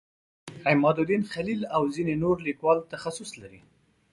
عمادالدین خلیل او ځینې نور لیکوال تخصص لري.